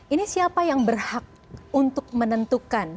ini siapa yang berhak untuk menentukan